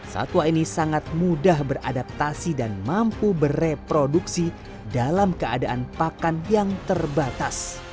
satwa ini sangat mudah beradaptasi dan mampu bereproduksi dalam keadaan pakan yang terbatas